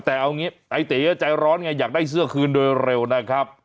แต่เอาอย่างนี้นายตีใจร้อนอยากได้เสื้อคืนด้วยเร็วนะครับ